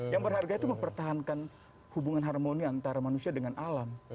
yang berharga itu mempertahankan hubungan harmoni antara manusia dengan alam